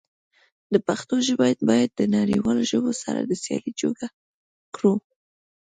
د پښتو ژبه بايد د نړيوالو ژبو سره د سيالی جوګه کړو.